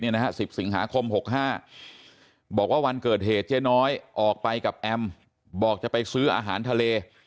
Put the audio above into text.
๑๐สิงหาคม๖๕บอกว่าวันเกิดเหตุเจ๊น้อยออกไปกับแอมบอกจะไปซื้ออาหารทะเล